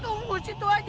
tunggu di situ saja